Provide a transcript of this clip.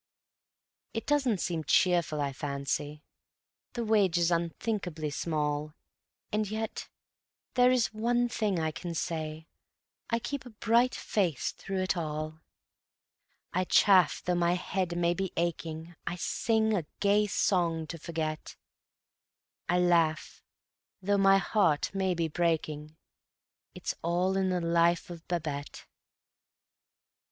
It doesn't seem cheerful, I fancy; The wage is unthinkably small; And yet there is one thing I can say: I keep a bright face through it all. I chaff though my head may be aching; I sing a gay song to forget; I laugh though my heart may be breaking It's all in the life of Babette.